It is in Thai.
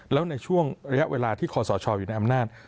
แล้วในช่วงระยะเวลาที่คอสชอยู่ในอำนาจ